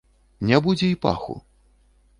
Не будзе і паху.